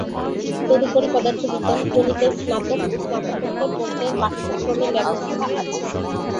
তদুপরি, পদার্থ বিজ্ঞান, গণিত-এর স্নাতক ও স্নাতকোত্তর পর্যায়ের পাঠ্যক্রমের ব্যবস্থা আছে।